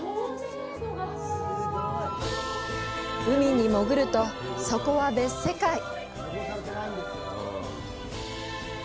海に潜ると、そこは別世界。